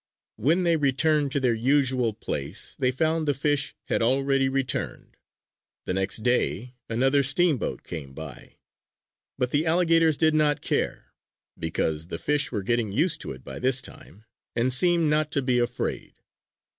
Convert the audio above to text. When they returned to their usual place they found the fish had already returned. The next day another steamboat came by; but the alligators did not care, because the fish were getting used to it by this time and seemed not to be afraid.